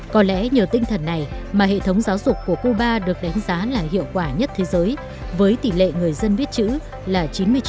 có lẽ nhờ tinh thần này mà hệ thống giáo dục của cuba được đánh giá là hiệu quả nhất thế giới với tỷ lệ người dân viết chữ là chín mươi chín